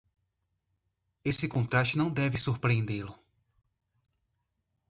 Esse contraste não deve surpreendê-lo.